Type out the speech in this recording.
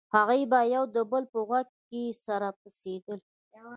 هغوى به يو د بل په غوږ کښې سره پسېدل.